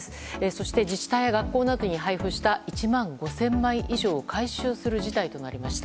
そして自治体が学校などに配布した１万５０００枚などを回収する事態となりました。